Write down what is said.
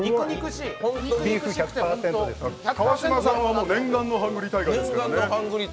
１００％川島さんは念願のハングリータイガーですよね。